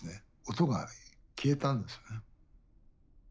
音が消えたんですね。